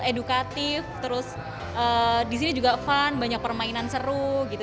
edukatif terus disini juga fun banyak permainan seru gitu